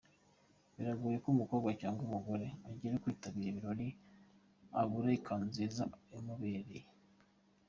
Biragoye ko umukobwa cyangwa umugore ugiye kwitabira ibirori abura ikanzu nziza imubereye.